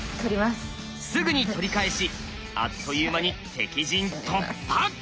すぐに取り返しあっという間に敵陣突破！